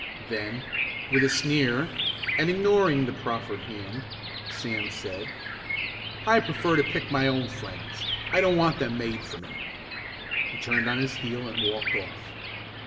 Then with a sneer, and ignoring the proffered hand, Sam said: "I prefer to pick my own friends. I don't want them made for me." He turned on his heel and walked off.